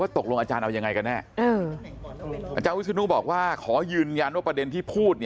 ตกลงอาจารย์เอายังไงกันแน่อาจารย์วิศนุบอกว่าขอยืนยันว่าประเด็นที่พูด